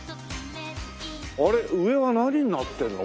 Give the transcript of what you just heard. あれ上は何になってるの？